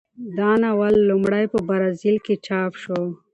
دا ناول لومړی په برازیل کې چاپ شو.